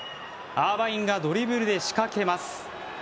アーバインがドリブルで仕掛けます。